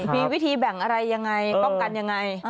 มีวิธีแบ่งอะไรยังไงป้องกันยังไง